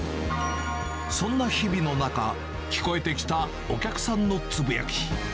そんな日々の中、聞こえてきたお客さんのつぶやき。